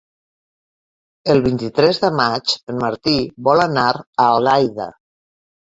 El vint-i-tres de maig en Martí vol anar a Algaida.